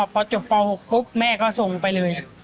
พอจบป๖ปุ๊บแม่ก็ส่งไปเลย